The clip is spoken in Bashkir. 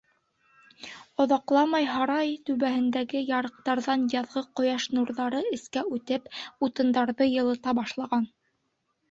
Оҙаҡламай һарай түбәһендәге ярыҡтарҙан яҙғы ҡояш нурҙары эскә үтеп, утындарҙы йылыта башлаған.